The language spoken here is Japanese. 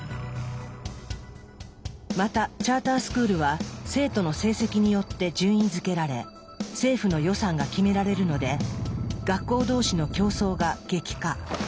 またチャータースクールは生徒の成績によって順位づけられ政府の予算が決められるので学校同士の競争が激化。